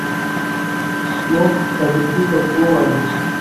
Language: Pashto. موږ سګرېټو ته پو وايو.